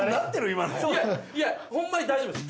今のいやホンマに大丈夫です